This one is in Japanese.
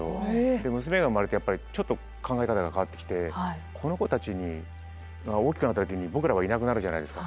で娘が生まれてやっぱりちょっと考え方が変わってきてこの子たちに大きくなった時に僕らはいなくなるじゃないですか。